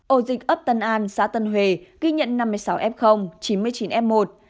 ổ dịch ấp tân an xã tân huế ghi nhận năm mươi sáu f chín mươi chín f một